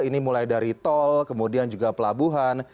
ini mulai dari tol kemudian juga pelabuhan